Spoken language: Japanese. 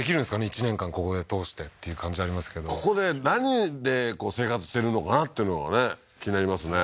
１年間ここで通してっていう感じありますけどここで何で生活してるのかなっていうのがね気になりますね